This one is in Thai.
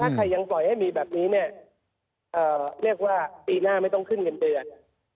ถ้าใครยังปล่อยให้มีแบบนี้เนี่ยเรียกว่าปีหน้าไม่ต้องขึ้นเงินเดือน